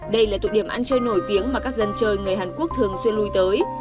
đây là thuộc điểm ăn chơi nổi tiếng mà các dân chơi người hàn quốc thường xuyên lui tới